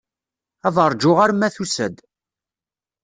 Ad ṛjuɣ arma tusa-d.